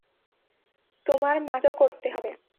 তোমার মাকে সাহায্য করতে হবে।